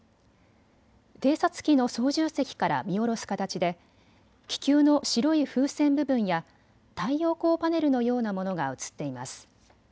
偵察機の操縦席から見下ろす形で気球の白い風船部分や太陽光パネルのようなものが写っています。